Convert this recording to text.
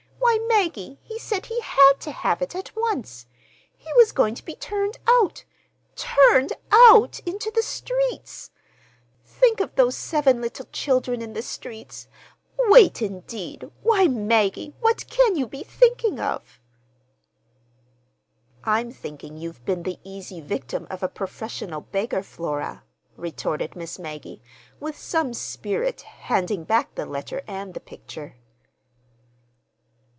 Why, Maggie, he said he had to have it at once. He was going to be turned out—turned out into the streets! Think of those seven little children in the streets! Wait, indeed! Why, Maggie, what can you be thinking of?" "I'm thinking you've been the easy victim of a professional beggar, Flora," retorted Miss Maggie, with some spirit, handing back the letter and the picture.